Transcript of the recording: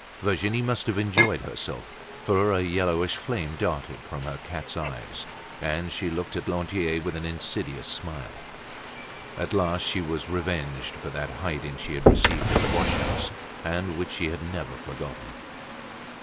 Virginie must have enjoyed herself, for a yellowish flame darted from her cat's eyes, and she looked at Lantier with an insidious smile. At last she was revenged for that hiding she had received at the wash house, and which she had never forgotten.